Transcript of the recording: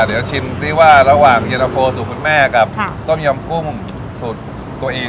เดี๋ยวชิมซิว่าระหว่างเย็นตะโฟสูตรคุณแม่กับต้มยำกุ้งสูตรตัวเอง